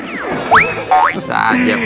susah aja maksudnya